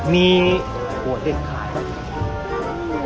มีหัวเด็กขาย